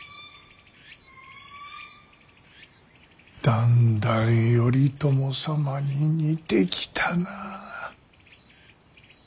だんだん頼朝様に似てきたな。